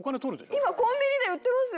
今コンビニで売ってますよ